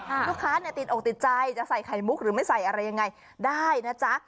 ลูกค้าเนี่ยติดอกติดใจจะใส่ไข่มุกหรือไม่ใส่อะไรยังไงได้นะจ๊ะ